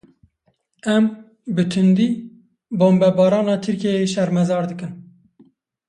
Em bi tundî bombebarana Tirkiyeyê şermezar dikin.